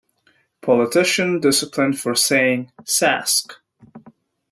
Politician disciplined for saying Sask.